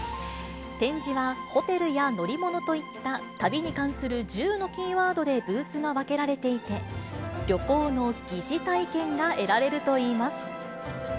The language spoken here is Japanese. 展示は、ホテルや乗り物といった旅に関する１０のキーワードでブースが分けられていて、旅行の疑似体験が得られるといいます。